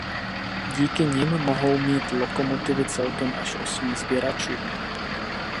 Díky nim mohou mít lokomotivy celkem až osm sběračů.